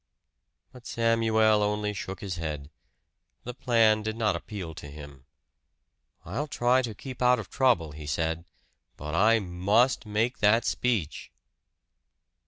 But Samuel only shook his head. The plan did not appeal to him. "I'll try to keep out of trouble," he said, "but I MUST make that speech!"